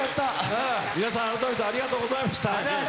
皆さん改めてありがとうございました。